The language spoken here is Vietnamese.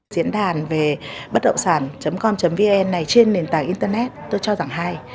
diễn đàn về bất động sản com vn này trên nền tảng internet tôi cho rằng hay